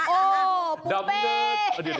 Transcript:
โอ้ปูเป้ดูอะไร